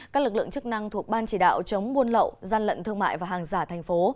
các lực lượng chức năng thuộc ban chỉ đạo chống buôn lậu gian lận thương mại và hàng giả thành phố